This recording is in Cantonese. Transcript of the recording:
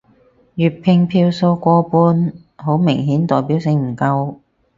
粵拼票數過半好明顯代表性唔夠